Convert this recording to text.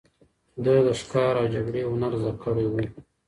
ده د ښکار او جګړې هنر زده کړی و